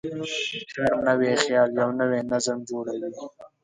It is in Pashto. هر نوی خیال یو نوی نظم جوړوي.